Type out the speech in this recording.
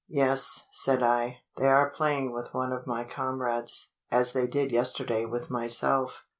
"Yes," said I; "they are playing with one of my comrades, as they did yesterday with myself."